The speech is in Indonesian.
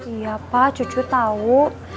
iya pak cucu tau